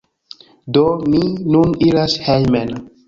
Do, mi nun iras hejmen